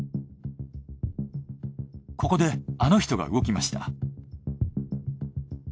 ここであの人が動きました。